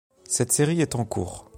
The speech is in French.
Cette série est en cours.